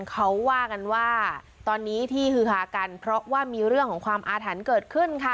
เขาว่ากันว่าตอนนี้ที่ฮือฮากันเพราะว่ามีเรื่องของความอาถรรพ์เกิดขึ้นค่ะ